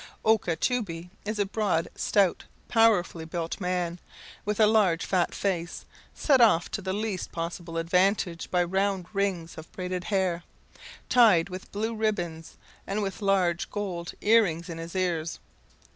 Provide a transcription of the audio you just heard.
Okah Tubee is a broad, stout, powerfully built man, with a large fat face, set off to the least possible advantage by round rings of braided hair, tied with blue ribbons, and with large gold ear rings in his ears.